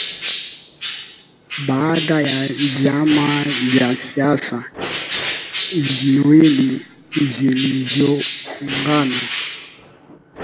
baada ya Vyama vya siasa viwili vilivyoungana